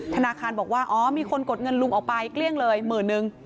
ธนาคารบอกว่าอ๋อมีคนกดเงินลุงออกไปเกลี้ยงเลยหมื่นนึง